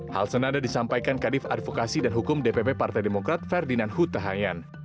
hal senada disampaikan kadif advokasi dan hukum dpp partai demokrat ferdinand huta hayan